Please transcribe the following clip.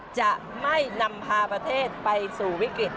จะไม่นำพาประเทศไปสู่วิกฤต